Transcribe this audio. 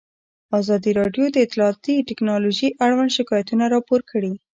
ازادي راډیو د اطلاعاتی تکنالوژي اړوند شکایتونه راپور کړي.